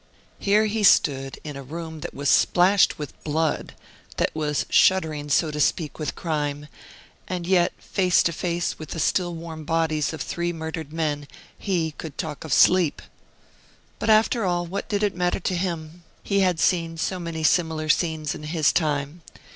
Here he stood, in a room that was splashed with blood, that was shuddering, so to speak, with crime, and yet face to face with the still warm bodies of three murdered men he could talk of sleep! But, after all, what did it matter to him? He had seen so many similar scenes in his time.